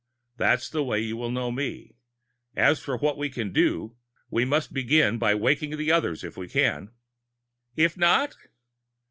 That's the way you will know me. As for what we can do we must begin by waking the others, if we can." "If not?"